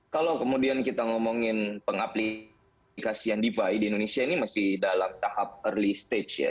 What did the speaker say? kalau kemudian kita ngomongin pengaplikasian defi di indonesia ini masih dalam tahap early stage ya